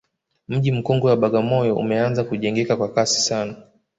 mji mkongwe wa bagamoyo umeanza kujengeka kwa kasi sana